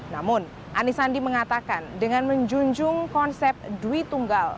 namun anis sandi mengatakan dengan menjunjung konsep dwi tunggal